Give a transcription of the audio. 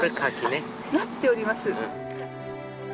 あっなっております。